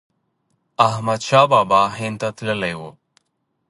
احمد شاه بابا هند ته تللی و.